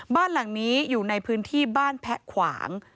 บ้านหลังนี้อยู่ในพื้นที่บ้านแพะขวาง